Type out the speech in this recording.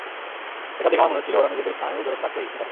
এসব দেখে আমার মনে হচ্ছিল ওরা নিজেদের স্নায়ু ধরে রাখতে হিমশিম খাচ্ছে।